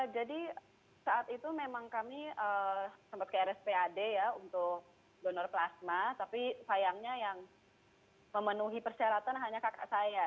jadi saat itu memang kami sempat ke rspad ya untuk donor plasma tapi sayangnya yang memenuhi persyaratan hanya kakak saya